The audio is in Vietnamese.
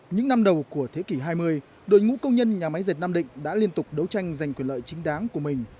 những năm đầu của thế kỷ hai mươi đội ngũ công nhân nhà máy dệt nam định đã liên tục đấu tranh giành quyền lợi chính đáng của mình